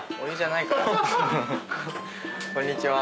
こんにちは。